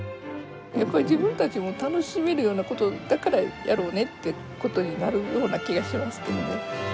やっぱり自分たちも楽しめるようなことだからやろうねってことになるような気がしますけどね。